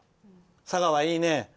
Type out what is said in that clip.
佐賀はいいね。